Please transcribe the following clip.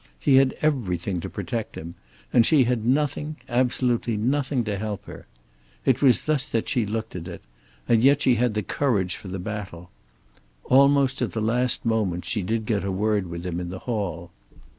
He had everything to protect him; and she had nothing, absolutely nothing, to help her! It was thus that she looked at it; and yet she had courage for the battle. Almost at the last moment she did get a word with him in the hall.